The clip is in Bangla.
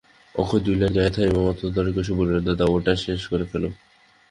অক্ষয় দু-লাইন গাহিয়া থামিবামাত্র দারুকেশ্বর বলিল, দাদা, ওটা শেষ করে ফেলো!